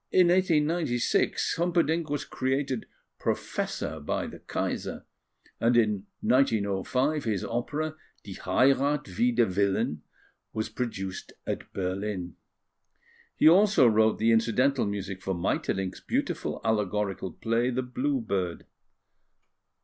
In 1896, Humperdinck was created Professor by the Kaiser; and in 1905, his opera, Die Heirath Wider Willen, was produced at Berlin. He also wrote the incidental music for Maeterlinck's beautiful allegorical play, The Blue Bird.